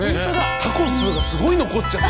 タコスがすごい残っちゃって。